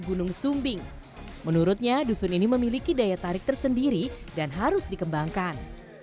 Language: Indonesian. gunung sumbing menurutnya dusun ini memiliki daya tarik tersendiri dan harus dikembangkan